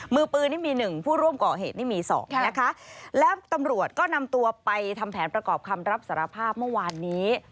มือปืนนี่มี๑ผู้ร่วมก่อเหตุนี่มี๒